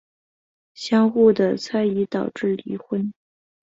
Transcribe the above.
相互的猜疑导致离婚。